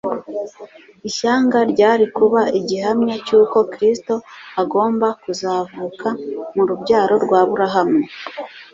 Ishyanga ryari kuba igihamya cy’uko Kristo agomba kuzavuka mu rubyaro rw’Aburahamu